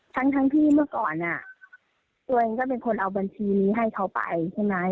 ทั้งที่เมื่อก่อนตัวเองก็เป็นคนเอาบัญชีนี้ให้เขาไปใช่ไหม